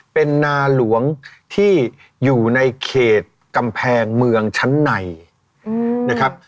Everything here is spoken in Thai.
เป็นนาหลวงที่อยู่ในเขตกำแพงเมืองชั้นในนะครับ